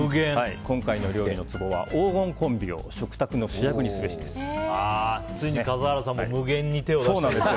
今回の料理のツボは黄金コンビを食卓の主役にすべしです。